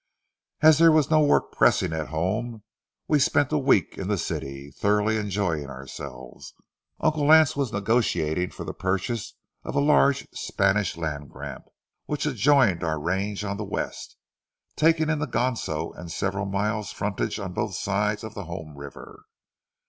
As there was no work pressing at home, we spent a week in the city, thoroughly enjoying ourselves. Uncle Lance was negotiating for the purchase of a large Spanish land grant, which adjoined our range on the west, taking in the Ganso and several miles' frontage on both sides of the home river.